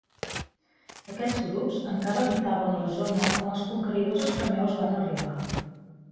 Aquests grups encara habitaven la zona quan els conqueridors espanyols van arribar.